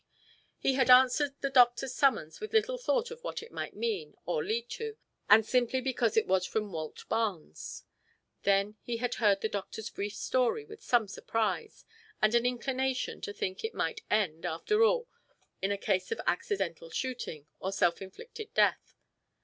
He had answered the doctor's summons with little thought of what it might mean, or lead to, and simply because it was from "Walt." Barnes. Then he had heard the doctor's brief story with some surprise, and an inclination to think it might end, after all, in a case of accidental shooting, or self inflicted death.